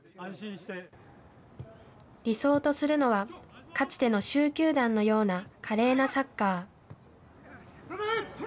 理想とするのは、かつての蹴球団のような華麗なサッカー。